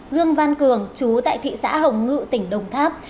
dương văn cường chú tại thị xã hồng ngự tỉnh đồng tháp